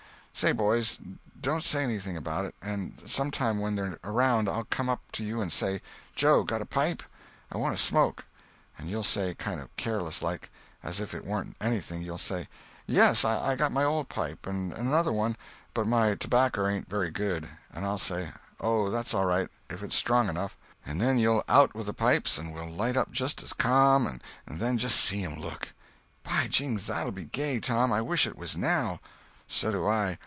"Say—boys, don't say anything about it, and some time when they're around, I'll come up to you and say, 'Joe, got a pipe? I want a smoke.' And you'll say, kind of careless like, as if it warn't anything, you'll say, 'Yes, I got my old pipe, and another one, but my tobacker ain't very good.' And I'll say, 'Oh, that's all right, if it's strong enough.' And then you'll out with the pipes, and we'll light up just as ca'm, and then just see 'em look!" "By jings, that'll be gay, Tom! I wish it was now!" "So do I!